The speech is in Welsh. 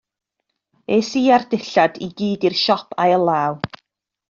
Es i â'r dillad i gyd i'r siop ail law.